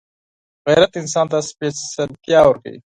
غیرت انسان ته سپېڅلتیا ورکوي